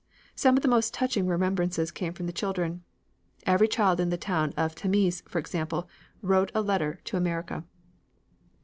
Some of the most touching remembrances came from the children. Every child in the town of Tamise, for example, wrote a letter to America.